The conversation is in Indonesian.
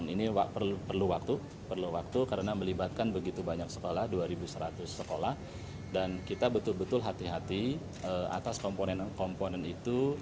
ini perlu waktu karena melibatkan begitu banyak sekolah dua seratus sekolah dan kita betul betul hati hati atas komponen komponen itu